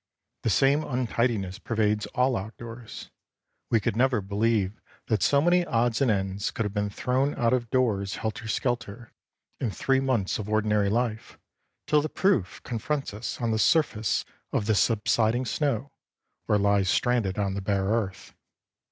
The same untidiness pervades all outdoors. We could never believe that so many odds and ends could have been thrown out of doors helter skelter, in three months of ordinary life, till the proof confronts us on the surface of the subsiding snow or lies stranded on the bare earth.